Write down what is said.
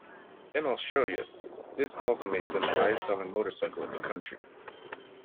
In Australia this also makes them the highest selling motorcycle in the country.